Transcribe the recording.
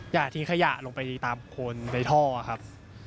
อย่าทิ้งขยะลงไปตามโคนในท่อครับ